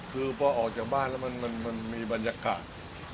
คือพอออกจากบ้านแล้วมันมีบรรยากาศ